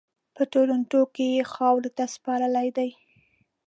په ټورنټو کې یې خاورو ته سپارلی دی.